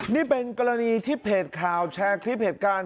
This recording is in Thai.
นี่เป็นกรณีที่เพจข่าวแชร์คลิปเหตุการณ์